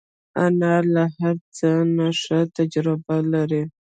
انا له هر څه نه ښه تجربه لري